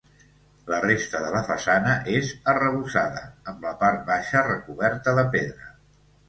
La resta de la façana és arrebossada, amb la part baixa recoberta de pedra.